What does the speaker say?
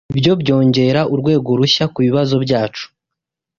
Ibyo byongera urwego rushya kubibazo byacu.